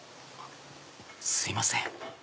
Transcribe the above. すいません。